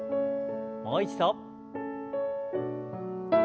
もう一度。